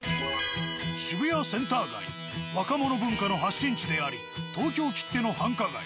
渋谷センター街若者文化の発信地であり東京きっての繁華街。